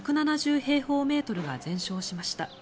平方メートルが全焼しました。